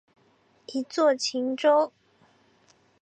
一作晴州。